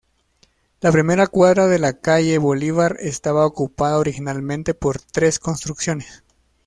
La primera cuadra de la calle Bolívar estaba ocupada originalmente por tres construcciones.